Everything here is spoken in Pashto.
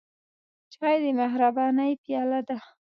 چای د مهربانۍ پیاله ده.